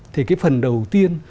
thì cái phần đầu tiên